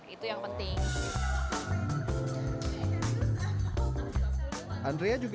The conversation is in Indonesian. itu yang penting